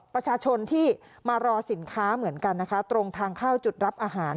ประชาชนที่มารอสินค้าเหมือนกันนะคะตรงทางเข้าจุดรับอาหาร